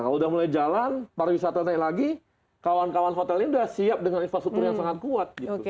nah kalau udah mulai jalan para wisatanya lagi kawan kawan hotel ini udah siap dengan infrastruktur yang sangat kuat